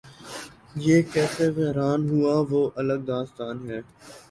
یہ کیسے ویران ہوا وہ الگ داستان ہے۔